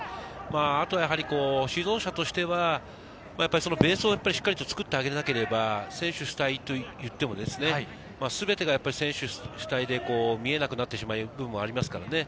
あとは指導者としては、ベースをしっかり作ってあげなければ選手主体といっても、全てが選手主体で見えなくなってしまう部分もありますからね。